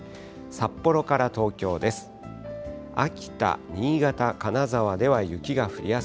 札幌から東京です。